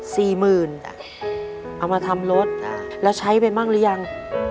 สี่หมื่นอ่ะเอามาทำรถแล้วใช้ไปบ้างหรือยัง